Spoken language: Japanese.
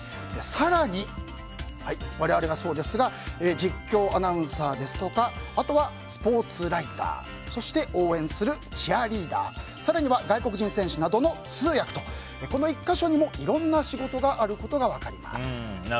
更に、我々がそうですが実況アナウンサーですとかあとはスポーツライターそして、応援するチアリーダー更には外国人選手などの通訳とこの１か所にも、いろんな仕事があることが分かります。